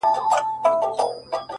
خداى دي ساته له بېلتونه.!